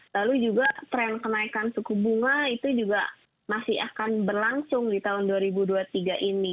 lalu juga tren kenaikan suku bunga itu juga masih akan berlangsung di tahun dua ribu dua puluh tiga ini